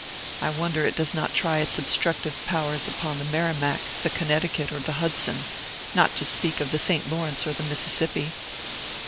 I wonder it does not try its obstructive powers upon the Merrimack, the Connecticut, or the Hudson, not to speak of the St. Lawrence or the Mississippi!